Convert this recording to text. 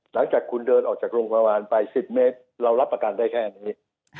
หลังจากคุณเดินออกจากโรงพยาบาลไป๑๐เมตรเรารับประกันได้แค่นี้